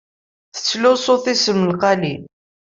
Tettluseḍ tismaqalin?